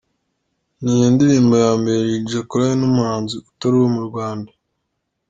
Niyo ndirimbo ya mbere Lil G akoranye n’umuhanzi utari uwo mu Rwanda.